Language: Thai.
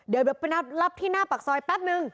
เดี๋ยวรับที่หน้าปากซอยแป๊บนึง